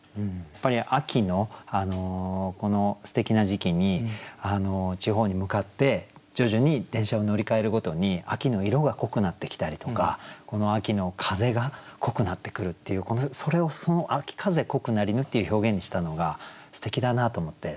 やっぱり秋のすてきな時期に地方に向かって徐々に電車を乗り換えるごとに秋の色が濃くなってきたりとか秋の風が濃くなってくるっていうそれを「秋風濃くなりぬ」っていう表現にしたのがすてきだなと思って。